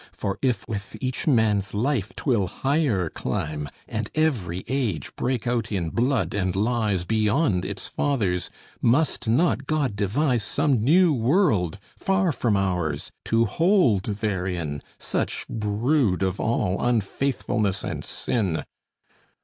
For if with each man's life 'twill higher climb, And every age break out in blood and lies Beyond its fathers, must not God devise Some new world far from ours, to hold therein Such brood of all unfaithfulness and sin?